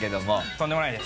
とんでもないです。